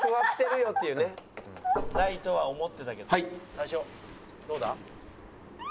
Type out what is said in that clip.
最初どうだ？